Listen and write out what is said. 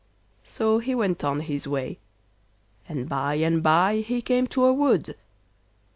So he went on his way, and by and by he came to a wood.